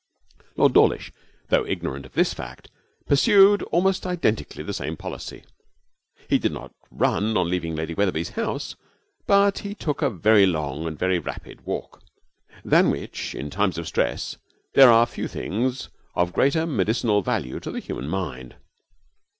Lord Dawlish, though ignorant of this fact, pursued almost identically the same policy. He did not run on leaving Lady Wetherby's house, but he took a very long and very rapid walk, than which in times of stress there are few things of greater medicinal value to the human mind.